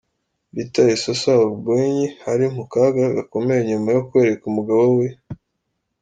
Rita Esosa Ogbuenyi ari mu kaga gakomeye nyuma yo kwereka umugabo we, Mr.